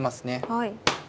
はい。